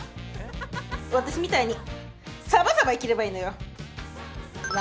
ワタシみたいにサバサバ生きればいいのよ。